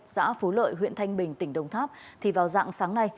xã phú lợi huyện thanh bình tỉnh đồng tháp thì vào dạng sáng nay